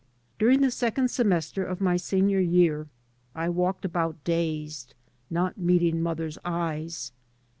During the second semester of my senior year I walked about dazed, not meeting mother's eyes.